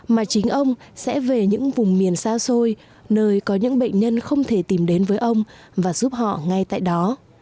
mà chính ông sẽ về những vùng miền xa xôi nơi có những bệnh nhân không thể tìm đến với ông và giúp họ ngay tại đó